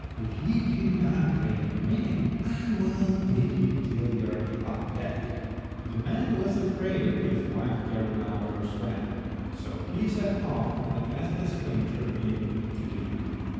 If you do not bring him in I will beat you till you are half dead." The man was afraid of his wife carrying out her threat, so he set off and asked the stranger in to dinner.